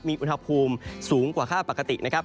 มีอุณหภูมิสูงกว่าค่าปกตินะครับ